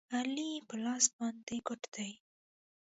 علي په لاس باندې ګوډ دی.